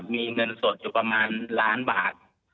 มีเงินสดอยู่ประมาณล้านบาท